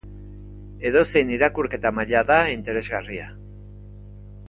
Edozein irakurketa-maila da interesgarria.